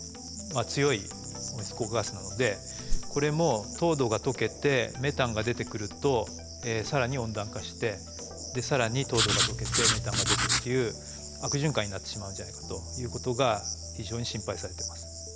強い温室効果ガスなのでこれも凍土が解けてメタンが出てくると更に温暖化してで更に凍土が解けてメタンが出てっていう悪循環になってしまうんじゃないかということが非常に心配されてます。